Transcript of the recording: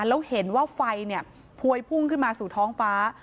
แล้วเห็นว่าไฟเนี่ยพวยพุ่งขึ้นมาสู่ท้องฟ้า